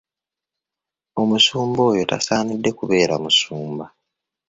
Omusumba oyo tasaanidde kubeera musumba.